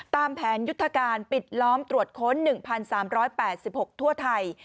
ตามแผนยุทธการปิดล้อมตรวจค้น๑๓๘๖ทั่วไทย